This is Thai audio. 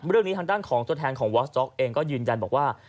ทางด้านของตัวแทนของวอสต๊อกเองก็ยืนยันบอกว่า